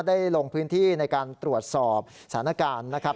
ลงพื้นที่ในการตรวจสอบสถานการณ์นะครับ